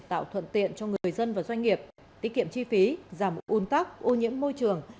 tạo thuận tiện cho người dân và doanh nghiệp tiết kiệm chi phí giảm un tắc ô nhiễm môi trường